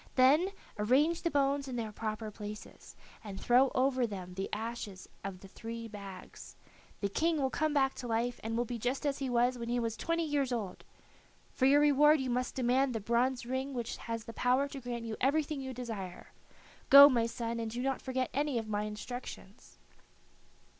Then arrange the bones in their proper places, and throw over them the ashes out of the three bags. The King will come back to life, and will be just as he was when he was twenty years old. For your reward you must demand the bronze ring which has the power to grant you everything you desire. Go, my son, and do not forget any of my instructions."